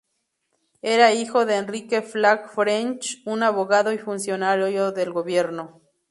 Era hijo de Enrique Flagg French, un abogado y funcionario del gobierno.